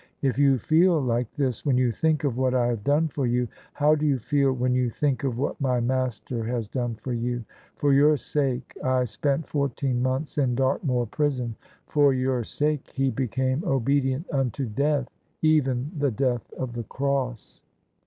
If you feel like this when you think of what I have done for you, how do you feel when you think of what my Master has done for you? For your sake I spent fourteen months in Dartmoor prison: for your sake He became obedient imto death, even the death of the Cross.